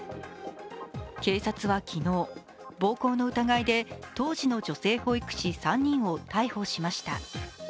警察は昨日、暴行の疑いで当時の女性保育士３人を逮捕しました。